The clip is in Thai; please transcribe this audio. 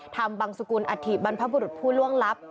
ทำบังสุกุลอัฐิบรรพบุรุษผู้ล่วงลับ